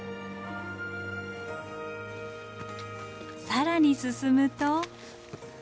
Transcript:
更に進むと。